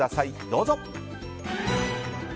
どうぞ。